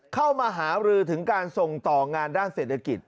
เข้ามาหารือถึงการส่งต่องานด้านเศรษฐกิจ